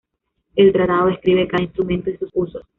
El tratado describe cada instrumento y sus usos.